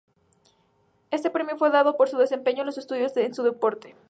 Este premio fue dado por su desempeño en los estudios y en su deporte.